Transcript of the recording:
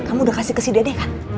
kamu udah kasih ke si dede kan